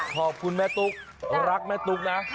คุณแม่ตุ๊กรักแม่ตุ๊กนะ